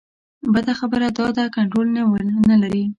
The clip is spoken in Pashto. بده خبره دا ده کنټرول ونه لري.